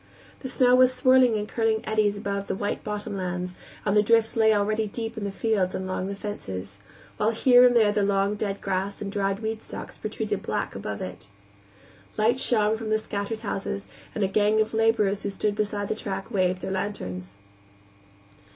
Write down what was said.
The snow was whirling in curling eddies above the white bottom lands, and the drifts lay already deep in the fields and along the fences, while here and there the long dead grass and dried weed stalks protruded black above it. Lights shone from the scattered houses, and a gang of laborers who stood beside the track waved their lanterns.